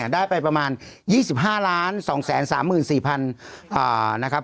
ได้ไปประมาณ๒๕๒๓๔๐๐๐นะครับ